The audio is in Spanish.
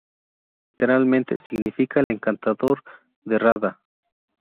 Literalmente significa el encantador de Radha.